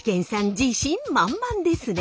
自信満々ですね。